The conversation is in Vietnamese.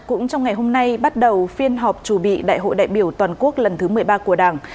cũng trong ngày hôm nay bắt đầu phiên họp trù bị đại hội đại biểu toàn quốc lần thứ một mươi ba của đảng